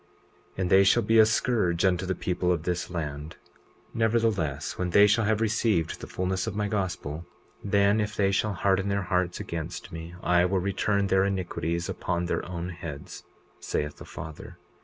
20:28 And they shall be a scourge unto the people of this land. Nevertheless, when they shall have received the fulness of my gospel, then if they shall harden their hearts against me I will return their iniquities upon their own heads, saith the Father.